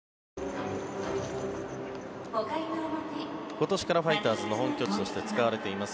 今年からファイターズの本拠地として使われています